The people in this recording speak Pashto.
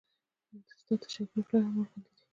استاد د شاګرد پلار او مور غوندې دی.